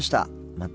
また。